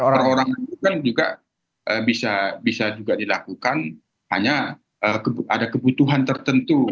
orang orang itu kan juga bisa juga dilakukan hanya ada kebutuhan tertentu